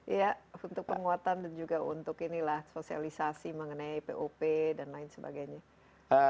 iya untuk penguatan dan juga untuk inilah sosialisasi mengenai pop dan lain sebagainya